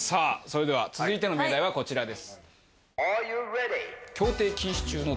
それでは続いての命題はこちらです